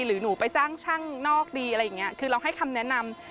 หรือหนูไปจ้างช่างนอกดีอะไรอย่างนี้คือเราให้คำแนะนำ